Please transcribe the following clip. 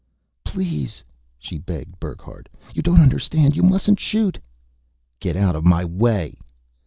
"Please!" she begged Burckhardt. "You don't understand. You mustn't shoot!" "_Get out of my way!